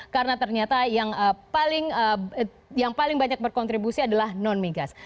karena ternyata yang paling yang paling banyak berkontribusi adalah non migas